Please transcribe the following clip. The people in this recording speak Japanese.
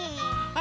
「あ！」